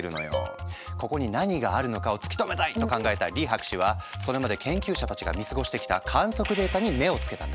「ここに何があるのかを突き止めたい」と考えたリ博士はそれまで研究者たちが見過ごしてきた観測データに目を付けたんだ。